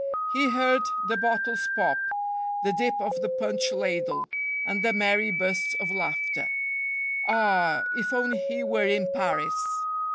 He heard the bottles pop, the dip of the punch ladle, and the merry bursts of laughter. Ah, if only he were in Paris!